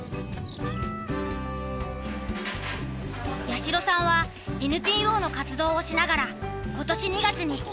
八代さんはＮＰＯの活動をしながら今年２月に食堂を始めたんだ。